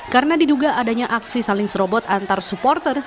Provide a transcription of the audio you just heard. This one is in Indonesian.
karena diduga adanya aksi saling serobot antar supporter